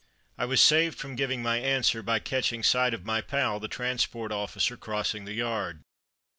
I was saved from giving my answer by catching sight of my pal, the transport officer, crossing the yard.